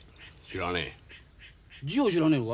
知らねえ。